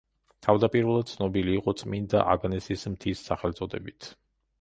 თავდაპირველად ცნობილი იყო „წმინდა აგნესის მთის“ სახელწოდებით.